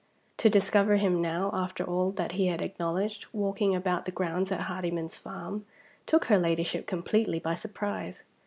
To discover him now, after all that he had acknowledged, walking about the grounds at Hardyman's farm, took her Ladyship completely by surprise.